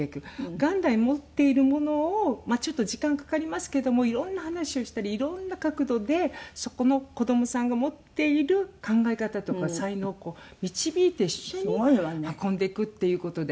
元来持っているものをちょっと時間かかりますけどもいろんな話をしたりいろんな角度でそこの子どもさんが持っている考え方とか才能を導いて一緒に運んでいくっていう事で。